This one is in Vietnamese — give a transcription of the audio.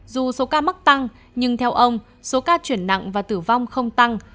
dù số ca mắc tăng nhưng theo ông số ca chuyển nặng và tử vong không tăng